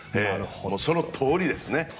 そのとおりですね。